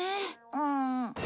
うん。